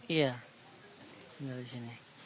iya tinggal di sini